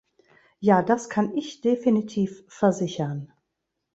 Ja, das kann ich definitiv versichern.